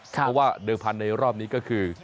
เพราะว่าเดิมพันธุ์ในรอบนี้ก็คือ